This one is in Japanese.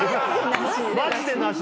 マジでなし。